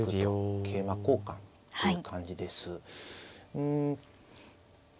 うん。